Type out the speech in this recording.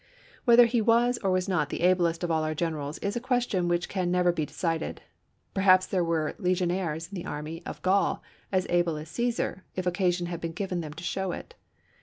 Whether he was or was not the ablest of all our generals is a question which can never be decided ; perhaps there were legionaries in the army of Gaul as able as Caesar if occasion had been given them to show it.